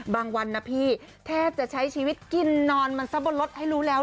วันนะพี่แทบจะใช้ชีวิตกินนอนมันซะบนรถให้รู้แล้ว